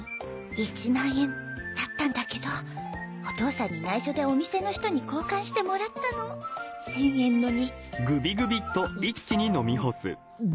１万円だったんだけどお父さんに内緒でお店の人に交換してもらったの１０００円のに。